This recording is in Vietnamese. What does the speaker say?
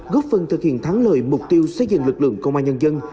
góp phần thực hiện thắng lợi mục tiêu xây dựng lực lượng công an nhân dân